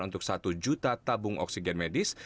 untuk satu juta tabung oksigen medis